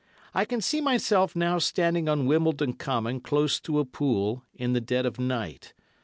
I can see myself now standing on Wimbledon Common close to a pool, in the dead of night.